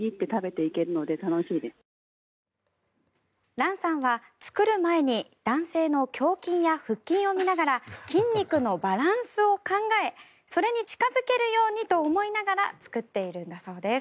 Ｒａｎさんは作る前に男性の胸筋や腹筋を見ながら筋肉のバランスを考えそれに近付けるようにと思いながら作っているんだそうです。